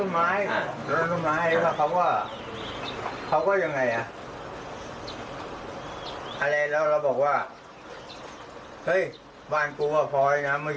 วันเฉพาะไม่เริ่มยังไงวะโอ้โห๑๐ปีก็ไม่เห็นเลย